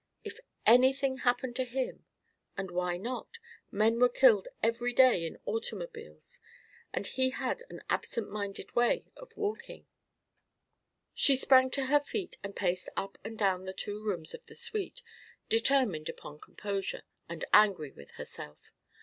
If anything happened to him and why not? Men were killed every day by automobiles, and he had an absentminded way of walking She sprang to her feet and paced up and down the two rooms of the suite, determined upon composure, and angry with herself.